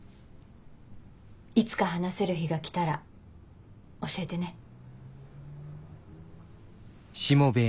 いつか話せる日が来たら教えてね。